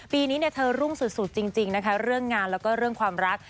ปีนี้เธอรุ่งสุดจริงนะคะเรื่องงานแล้วก็เรื่องความรัก